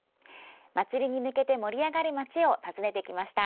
祭りに向けて盛り上がる街を訪ねてきました。